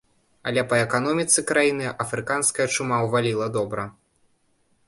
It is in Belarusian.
Але па эканоміцы краіны афрыканская чума ўваліла добра.